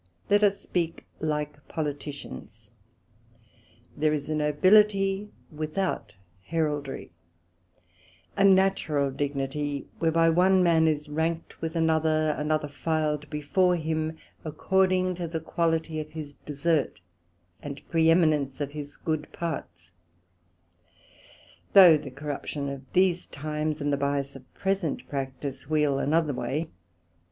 Let us speak like Politicians, there is a Nobility without Heraldry, a natural dignity, whereby one man is ranked with another; another filed before him, according to the quality of his Desert, and preheminence of his good parts: Though the corruption of these times, and the byas of present practice wheel another way.